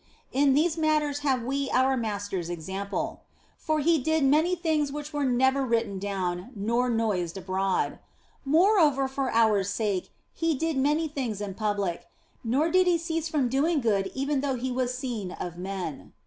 In these matters have we our Master s example, 140 THE BLESSED ANGELA for He did many things which were never written down nor noised abroad. Moreover, for our sake He did many things in public, nor did He cease from doing good even though He was seen of men.